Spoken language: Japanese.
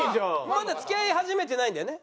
まだ付き合い始めてないんだよね？